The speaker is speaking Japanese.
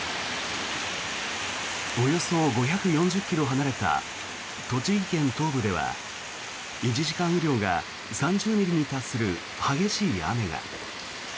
およそ５４０ｋｍ離れた栃木県東部では１時間雨量が３０ミリに達する激しい雨が。